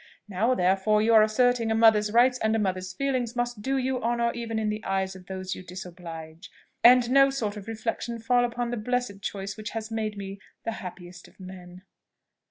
Now therefore your asserting a mother's rights and a mother's feelings must do you honour even in the eyes of those you disoblige, and no sort of reflection fall upon the blessed choice which has made me the happiest of men."